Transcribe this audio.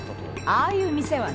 ああいう店はね